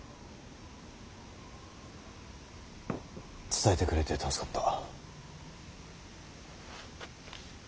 伝えてくれて助かった。